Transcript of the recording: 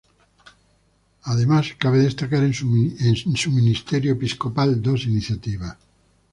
Además cabe destacar en su ministerio episcopal dos iniciativas.